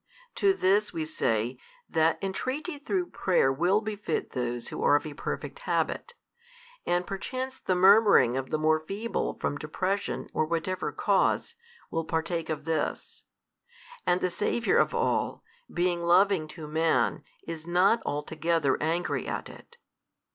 To this we say, that entreaty through prayer will befit those who are of a perfect habit: and perchance the murmuring of the more feeble from depression or whatever cause, will partake of this: and the Saviour of all, being loving to man is not altogether angry at it.